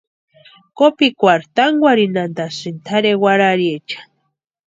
Kopikwarhu tánkwarhintanhantasïnti tʼarhe warhariecha.